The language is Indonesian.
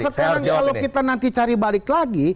sekarang kalau kita nanti cari balik lagi